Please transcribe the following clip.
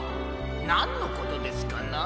なんのことですかな？